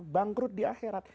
bangkrut di akhirat